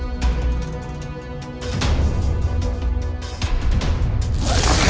gak ada apa apa